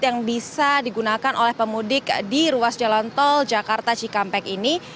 yang bisa digunakan oleh pemudik di ruas jalan tol jakarta cikampek ini